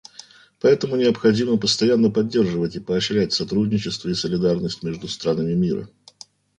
Поэтому необходимо постоянно поддерживать и поощрять сотрудничество и солидарность между странами мира.